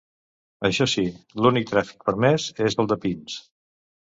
Això sí, l'únic tràfic permès és el de pins.